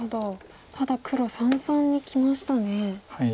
ただ黒三々にきましたね。